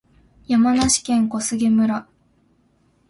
山梨県小菅村